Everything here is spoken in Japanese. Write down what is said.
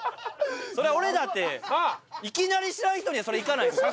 そりゃ俺だっていきなり知らん人にはそりゃいかないですよ。